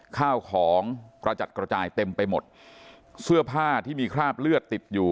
ข้าวของกระจัดกระจายเต็มไปหมดเสื้อผ้าที่มีคราบเลือดติดอยู่